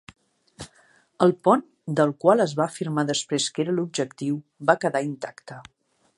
El pont, del qual es va afirmar després que era l'objectiu, va quedar intacte.